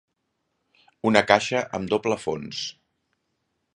Una caixa amb doble fons.